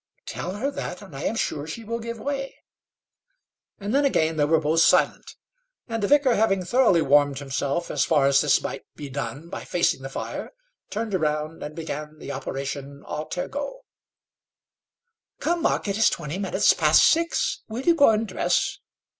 "Tell her that, and I am sure she will give way." And then again they were both silent. And the vicar having thoroughly warmed himself, as far as this might be done by facing the fire, turned round and began the operation à tergo. "Come, Mark, it is twenty minutes past six. Will you go and dress?"